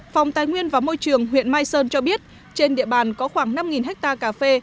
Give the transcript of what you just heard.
phòng tài nguyên và môi trường huyện mai sơn cho biết trên địa bàn có khoảng năm hectare cà phê